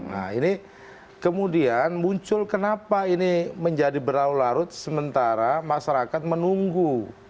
nah ini kemudian muncul kenapa ini menjadi berlarut larut sementara masyarakat menunggu